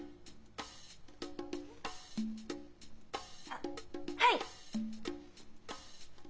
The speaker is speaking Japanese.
あっはい！